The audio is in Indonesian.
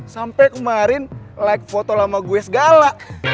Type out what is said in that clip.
sampai kemarin like foto lama gue segala